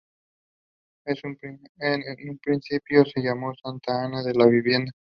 En un principio se llamó Santa Ana de la Bienvenida.